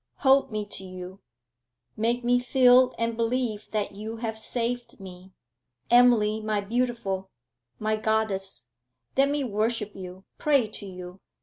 Hold me to you make me feel and believe that you have saved me! Emily, my beautiful, my goddess! let me worship you, pray to you!